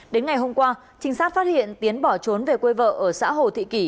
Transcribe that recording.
đến ngày hôm qua trinh sát phát hiện tiến bỏ trốn về quê vợ ở xã hồ thị kỷ